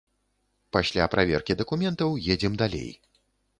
Пасля праверкі дакументаў едзем далей.